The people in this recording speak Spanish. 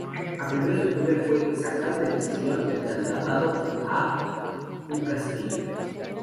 A primeros de octubre fue "sacado de prisión" y trasladado a Uncastillo.